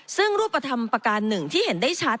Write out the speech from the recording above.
ซึ่งรูปธรรมประการหนึ่งที่เห็นได้ชัด